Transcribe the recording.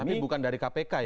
kami bukan dari kpk ya